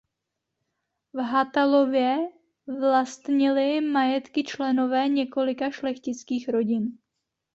V Hatalově vlastnili majetky členové několika šlechtických rodin.